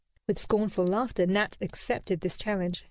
With scornful laughter Nat accepted this challenge.